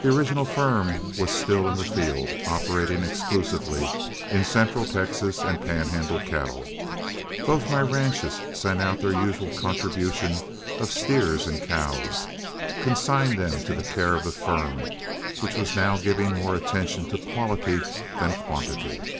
The original firm was still in the field, operating exclusively in central Texas and Pan Handle cattle. Both my ranches sent out their usual contribution of steers and cows, consigned to the care of the firm, which was now giving more attention to quality than quantity.